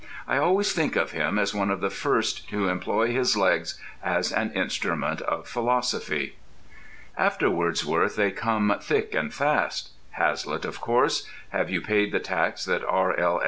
I always think of him as one of the first to employ his legs as an instrument of philosophy. After Wordsworth they come thick and fast. Hazlitt, of course—have you paid the tax that R.L.